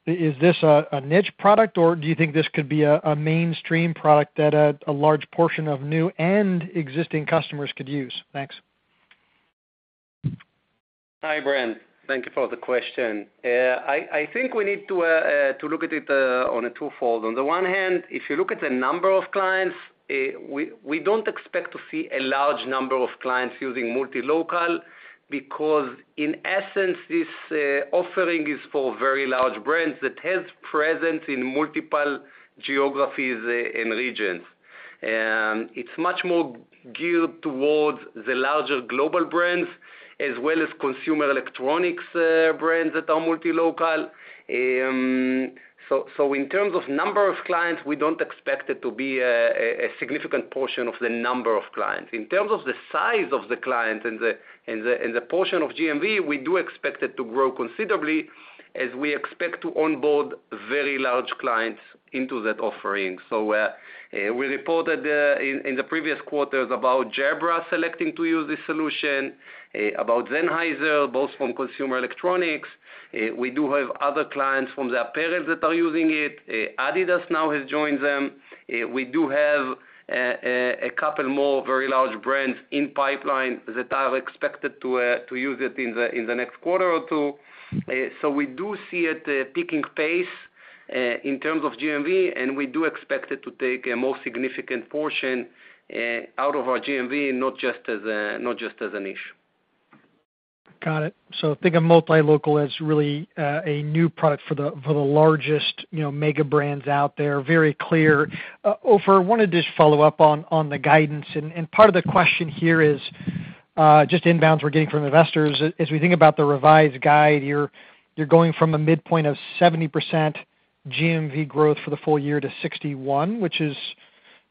is this a niche product or do you think this could be a mainstream product that a large portion of new and existing customers could use? Thanks. Hi, Brent. Thank you for the question. I think we need to look at it on a twofold. On the one hand, if you look at the number of clients, we don't expect to see a large number of clients using multi-local because in essence, this offering is for very large brands that has presence in multiple geographies and regions. It's much more geared towards the larger global brands as well as consumer electronics brands that are multi-local. In terms of number of clients, we don't expect it to be a significant portion of the number of clients. In terms of the size of the client and the portion of GMV, we do expect it to grow considerably as we expect to onboard very large clients into that offering. We reported in the previous quarters about Jabra selecting to use this solution, about Sennheiser, both from consumer electronics. We do have other clients from the apparel that are using it. Adidas now has joined them. We do have a couple more very large brands in pipeline that are expected to use it in the next quarter or two. We do see it picking pace in terms of GMV, and we do expect it to take a more significant portion out of our GMV, not just as a niche. Got it. Think of multi-local as really a new product for the largest, you know, mega brands out there. Very clear. Ofer, wanted to just follow up on the guidance. Part of the question here is just inbounds we're getting from investors. As we think about the revised guide, you're going from a midpoint of 70% GMV growth for the full year to 61, which is,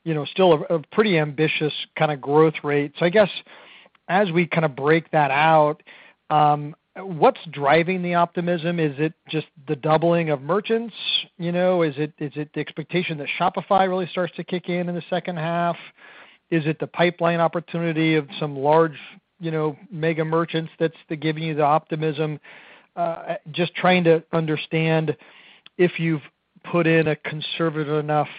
you know, still a pretty ambitious kinda growth rate. I guess as we kinda break that out, what's driving the optimism? Is it just the doubling of merchants? You know, is it the expectation that Shopify really starts to kick in in the second half? Is it the pipeline opportunity of some large, you know, mega merchants that's giving you the optimism? Just trying to understand if you've put in a conservative enough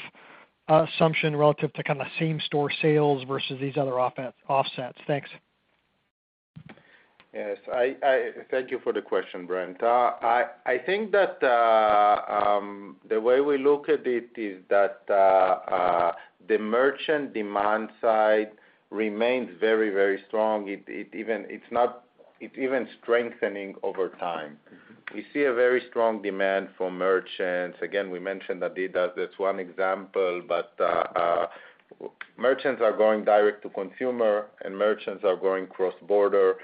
assumption relative to kinda same-store sales versus these other offsets. Thanks. Yes. Thank you for the question, Brent. I think that the way we look at it is that the merchant demand side remains very, very strong. It's even strengthening over time. We see a very strong demand from merchants. Again, we mentioned Adidas, that's one example. Merchants are going direct to consumer, and merchants are going cross-border,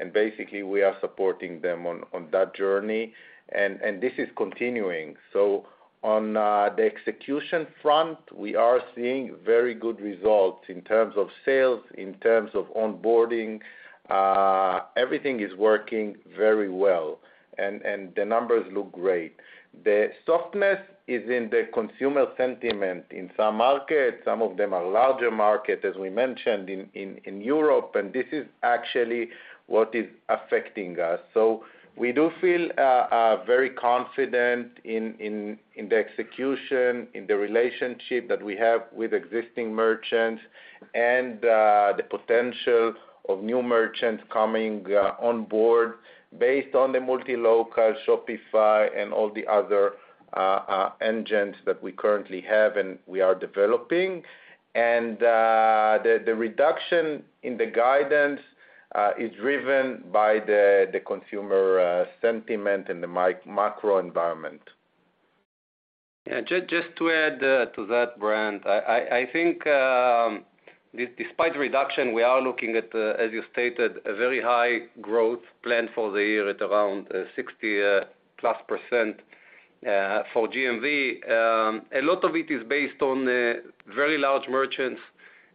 and basically, we are supporting them on that journey. This is continuing. On the execution front, we are seeing very good results in terms of sales, in terms of onboarding. Everything is working very well, and the numbers look great. The softness is in the consumer sentiment in some markets. Some of them are larger markets, as we mentioned in Europe, and this is actually what is affecting us. We do feel very confident in the execution, in the relationship that we have with existing merchants and the potential of new merchants coming on board based on the multi-local, Shopify, and all the other engines that we currently have and we are developing. The reduction in the guidance is driven by the consumer sentiment and the macro environment. Yeah. Just to add to that, Brent. I think, despite reduction, we are looking at, as you stated, a very high growth plan for the year at around 60+% for GMV. A lot of it is based on very large merchants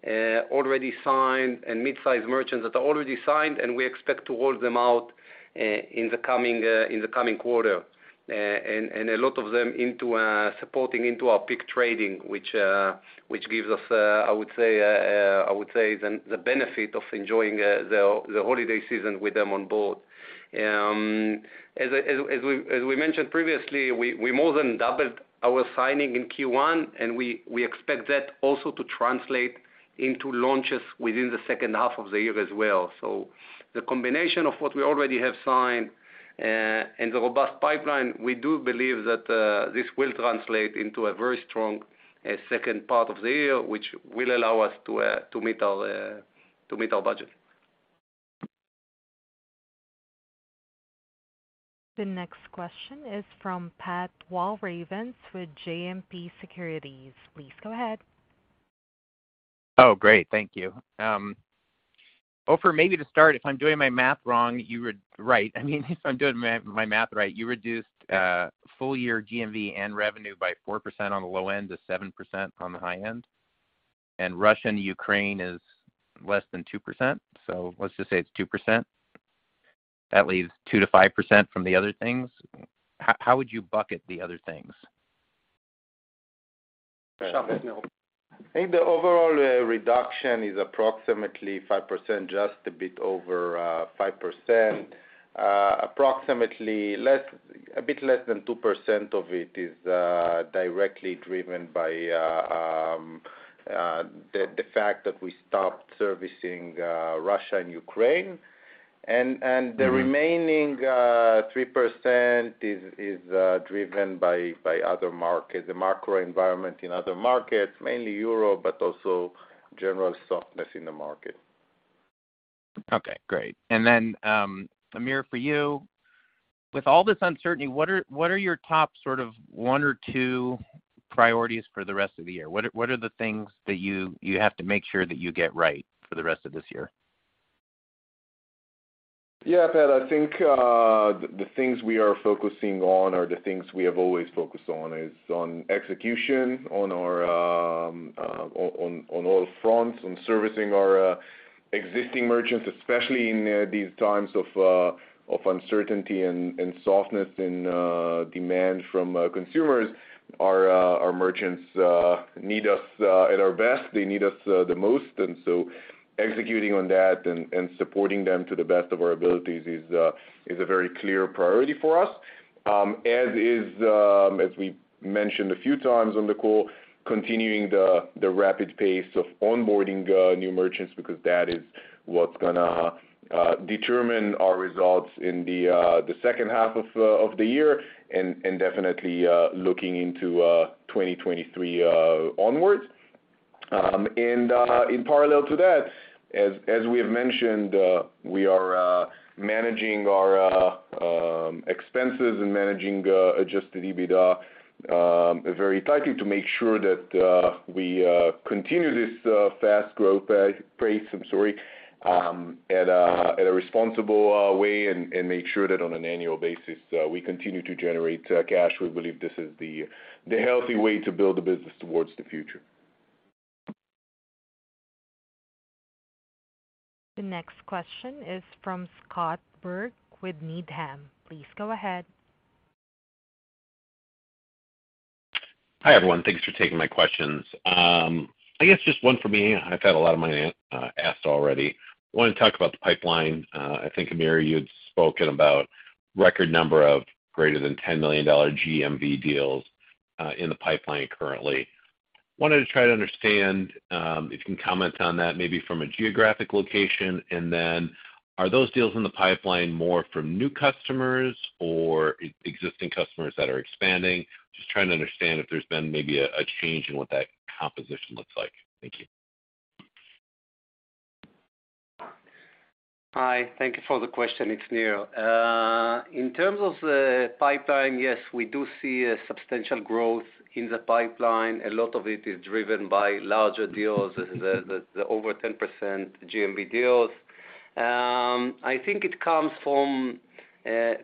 already signed and mid-size merchants that are already signed, and we expect to roll them out in the coming quarter. And a lot of them into supporting into our peak trading, which gives us, I would say, the benefit of enjoying the holiday season with them on board. As we mentioned previously, we more than doubled our signing in Q1, and we expect that also to translate into launches within the second half of the year as well. The combination of what we already have signed and the robust pipeline, we do believe that this will translate into a very strong second part of the year, which will allow us to meet our budget. The next question is from Patrick Walravens with JMP Securities. Please go ahead. Oh, great. Thank you. Ofer, maybe to start, if I'm doing my math wrong, right. I mean, if I'm doing my math right, you reduced full year GMV and revenue by 4% on the low end to 7% on the high end. Russia and Ukraine is less than 2%, so let's just say it's 2%. That leaves 2%-5% from the other things. How would you bucket the other things? Shame it's Nir. I think the overall reduction is approximately 5%, just a bit over 5%. Approximately a bit less than 2% of it is directly driven by the fact that we stopped servicing Russia and Ukraine. The remaining 3% is driven by other markets, the macro environment in other markets, mainly Europe, but also general softness in the market. Okay, great. Amir, for you, with all this uncertainty, what are your top sort of one or two priorities for the rest of the year? What are the things that you have to make sure that you get right for the rest of this year? Yeah, Pat. I think the things we are focusing on are the things we have always focused on, is on execution on all fronts, on servicing our existing merchants, especially in these times of uncertainty and softness in demand from consumers. Our merchants need us at our best. They need us the most. Executing on that and supporting them to the best of our abilities is a very clear priority for us. As is, as we mentioned a few times on the call, continuing the rapid pace of onboarding new merchants because that is what's gonna determine our results in the second half of the year and definitely looking into 2023 onwards. In parallel to that, as we have mentioned, we are managing our expenses and managing adjusted EBITDA very tightly to make sure that we continue this fast growth pace. I'm sorry, at a responsible way and make sure that on an annual basis, we continue to generate cash. We believe this is the healthy way to build the business towards the future. The next question is from Scott Berg with Needham. Please go ahead. Hi, everyone. Thanks for taking my questions. I guess just one for me. I've had a lot of questions answered already. Wanna talk about the pipeline. I think, Amir, you had spoken about record number of greater than $10 million GMV deals in the pipeline currently. Wanted to try to understand if you can comment on that maybe from a geographic location. Are those deals in the pipeline more from new customers or existing customers that are expanding? Just trying to understand if there's been maybe a change in what that composition looks like. Thank you. Hi. Thank you for the question. It's Nir. In terms of the pipeline, yes, we do see a substantial growth in the pipeline. A lot of it is driven by larger deals, the over 10% GMV deals. I think it comes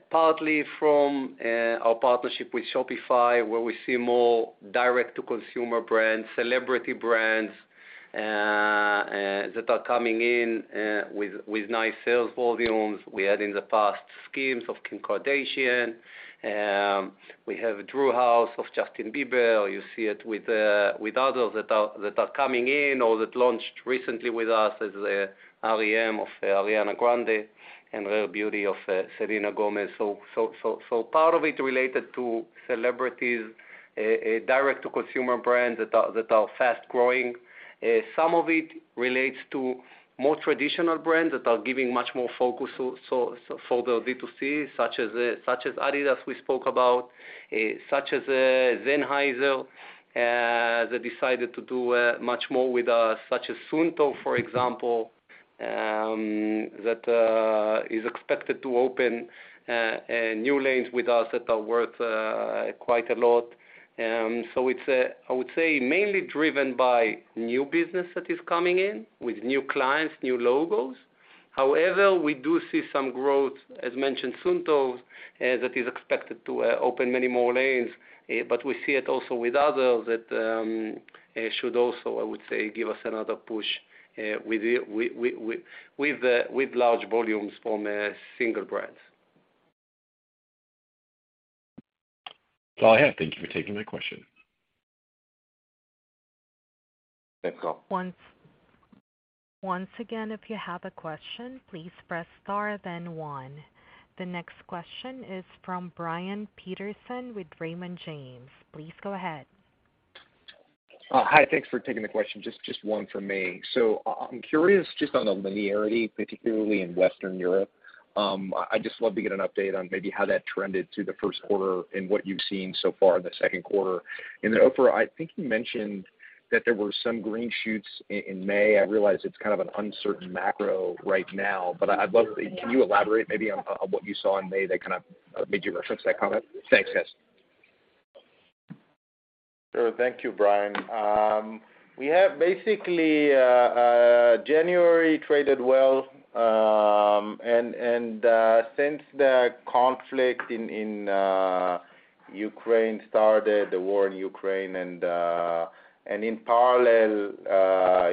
partly from our partnership with Shopify, where we see more direct-to-consumer brands, celebrity brands, that are coming in with nice sales volumes. We had in the past SKIMS of Kim Kardashian. We have Drew House of Justin Bieber, or you see it with others that are coming in or that launched recently with us as the r.e.m. beauty of Ariana Grande and Rare Beauty of Selena Gomez. Part of it related to celebrities, direct-to-consumer brands that are fast-growing. Some of it relates to more traditional brands that are giving much more focus so for the D2C, such as Adidas we spoke about, such as Sennheiser that decided to do much more with us, such as Suunto, for example, that is expected to open new lanes with us that are worth quite a lot. It's, I would say, mainly driven by new business that is coming in with new clients, new logos. However, we do see some growth, as mentioned, Suunto that is expected to open many more lanes. We see it also with others that should also, I would say, give us another push with large volumes from single brands. That's all I have. Thank you for taking my question. Thanks, Scott. Once again, if you have a question, please press star then one. The next question is from Brian Peterson with Raymond James. Please go ahead. Hi. Thanks for taking the question. Just one for me. I'm curious just on the linearity, particularly in Western Europe. I'd just love to get an update on maybe how that trended through the first quarter and what you've seen so far in the second quarter. Then, Ofer, I think you mentioned that there were some green shoots in May. I realize it's kind of an uncertain macro right now, but I'd love. Can you elaborate maybe on what you saw in May that kind of made you reference that comment? Thanks, guys. Sure. Thank you, Brian. Basically, January traded well. Since the conflict in Ukraine started, the war in Ukraine and in parallel,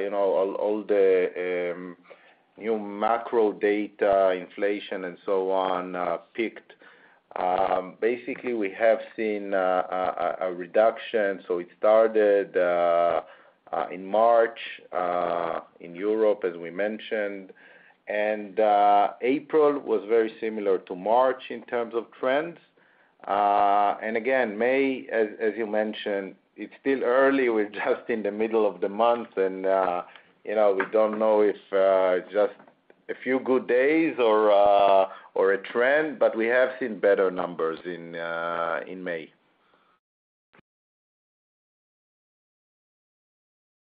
you know, all the new macro data, inflation and so on, peaked. Basically, we have seen a reduction. It started in March in Europe, as we mentioned. April was very similar to March in terms of trends. May, as you mentioned, it's still early, we're just in the middle of the month, and you know, we don't know if just a few good days or a trend, but we have seen better numbers in May.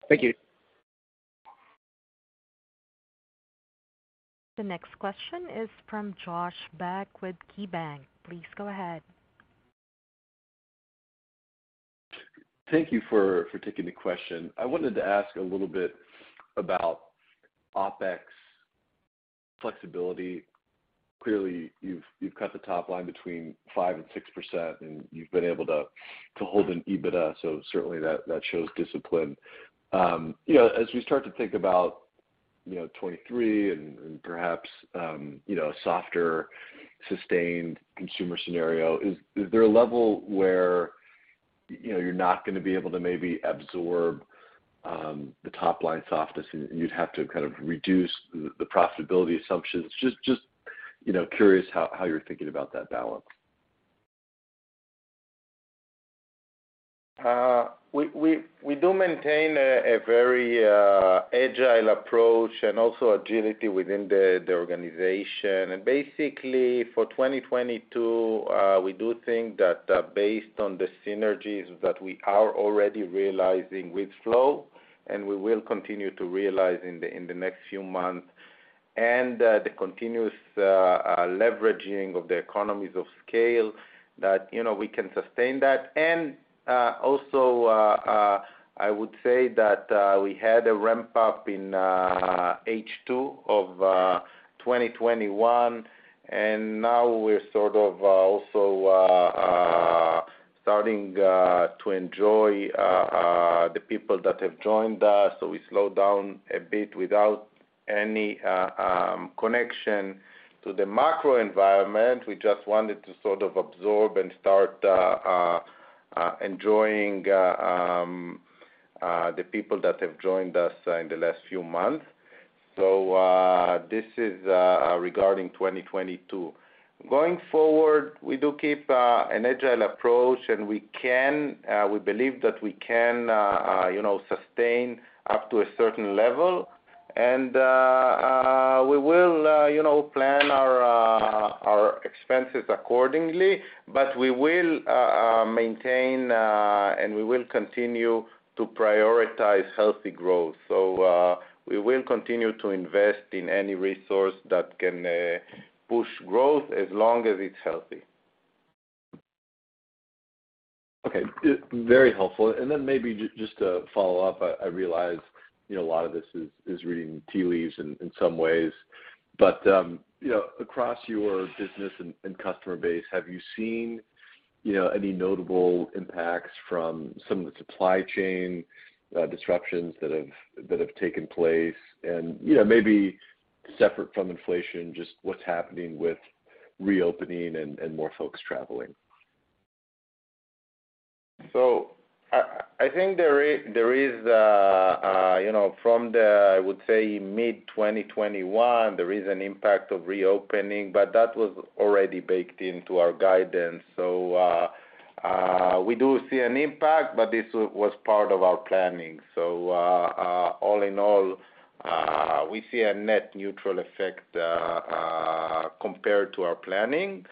Thank you. The next question is from Josh Beck with KeyBank. Please go ahead. Thank you for taking the question. I wanted to ask a little bit about OpEx flexibility. Clearly, you've cut the top line between 5% and 6%, and you've been able to hold an EBITDA, so certainly that shows discipline. You know, as we start to think about you know, 2023 and perhaps you know, a softer sustained consumer scenario, is there a level where you know, you're not gonna be able to maybe absorb the top line softness and you'd have to kind of reduce the profitability assumptions? Just you know, curious how you're thinking about that balance. We do maintain a very agile approach and also agility within the organization. Basically, for 2022, we do think that, based on the synergies that we are already realizing with Flow, and we will continue to realize in the next few months, and the continuous leveraging of the economies of scale that, you know, we can sustain that. Also, I would say that we had a ramp-up in H2 of 2021, and now we're sort of also starting to enjoy the people that have joined us. We slowed down a bit without any connection to the macro environment. We just wanted to sort of absorb and start enjoying the people that have joined us in the last few months. This is regarding 2022. Going forward, we do keep an agile approach, and we believe that we can, you know, sustain up to a certain level. We will, you know, plan our expenses accordingly, but we will maintain and we will continue to prioritize healthy growth. We will continue to invest in any resource that can push growth as long as it's healthy. Okay. Very helpful. Then maybe just to follow up, I realize, you know, a lot of this is reading tea leaves in some ways. But you know, across your business and customer base, have you seen, you know, any notable impacts from some of the supply chain disruptions that have taken place? You know, maybe separate from inflation, just what's happening with reopening and more folks traveling. I think there is, you know, from the, I would say mid-2021, there is an impact of reopening, but that was already baked into our guidance. We do see an impact, but this was part of our planning. All in all, we see a net neutral effect compared to our planning.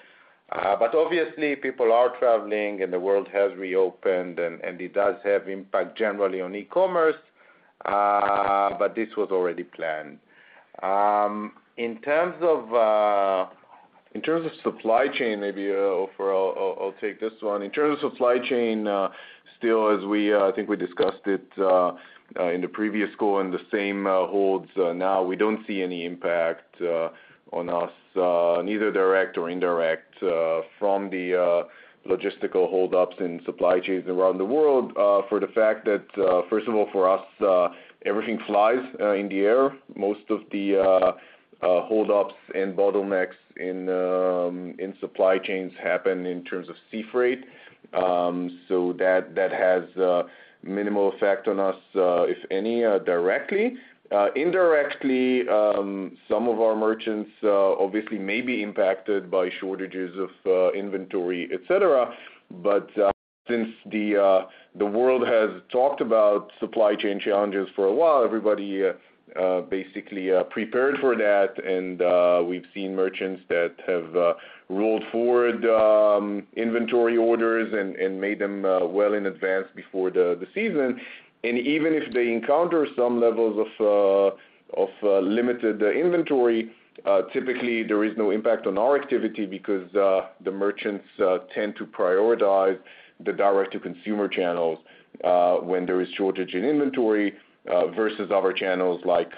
But obviously, people are traveling and the world has reopened and it does have impact generally on e-commerce, but this was already planned. In terms of supply chain, maybe Ofer, I'll take this one. In terms of supply chain, still as we, I think we discussed it in the previous call and the same holds now, we don't see any impact on us, neither direct or indirect, from the logistical hold-ups in supply chains around the world, for the fact that, first of all, for us, everything flies in the air. Most of the hold-ups and bottlenecks in supply chains happen in terms of sea freight. So that has minimal effect on us, if any, directly. Indirectly, some of our merchants obviously may be impacted by shortages of inventory, et cetera. Since the world has talked about supply chain challenges for a while, everybody basically prepared for that. We've seen merchants that have rolled forward inventory orders and made them well in advance before the season. Even if they encounter some levels of limited inventory, typically there is no impact on our activity because the merchants tend to prioritize the direct-to-consumer channels when there is shortage in inventory versus other channels like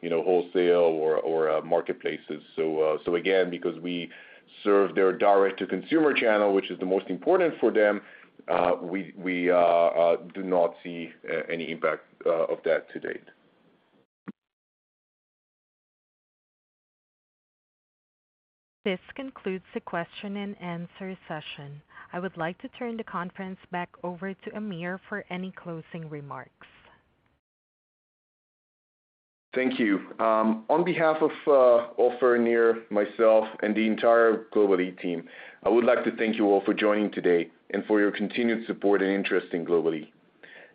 you know wholesale or marketplaces. Again, because we serve their direct-to-consumer channel, which is the most important for them, we do not see any impact of that to date. This concludes the question and answer session. I would like to turn the conference back over to Amir for any closing remarks. Thank you. On behalf of Ofer and Nir, myself, and the entire Global-e team, I would like to thank you all for joining today and for your continued support and interest in Global-e.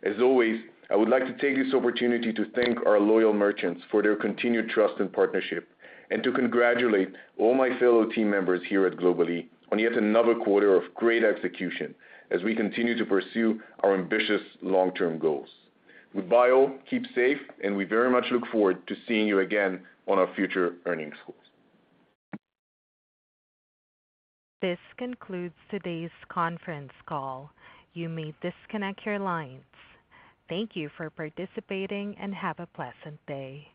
As always, I would like to take this opportunity to thank our loyal merchants for their continued trust and partnership, and to congratulate all my fellow team members here at Global-e on yet another quarter of great execution as we continue to pursue our ambitious long-term goals. Goodbye, all, keep safe, and we very much look forward to seeing you again on our future earnings calls. This concludes today's conference call. You may disconnect your lines. Thank you for participating, and have a pleasant day.